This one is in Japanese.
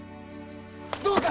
どうか！